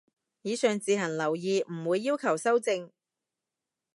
以上自行留意，唔會要求修正